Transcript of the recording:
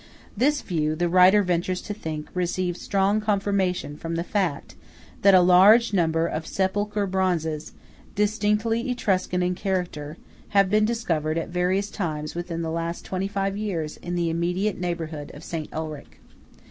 This view, the writer ventures to think, receives strong confirmation from the fact that a large number of sepulchral bronzes, distinctly Etruscan in character, have been discovered at various times within the last twenty five years in the immediate neighbourhood of St. Ulrich.